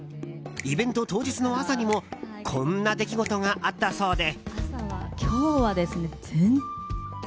イベント当日の朝にもこんな出来事があったそうで。